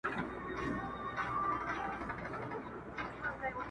دغه څه ارزښتناک نه دي بللي